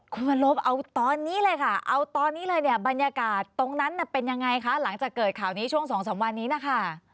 คุณวันลบเอาตอนนี้เลยค่ะเอาตอนนี้เลยเนี่ยบรรยากาศตรงนั้นเป็นยังไงคะหลังจากเกิดข่าวนี้ช่วง๒๓วันนี้นะคะ